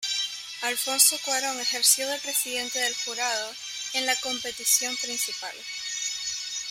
Alfonso Cuarón ejerció de presidente del Jurado en la competición principal.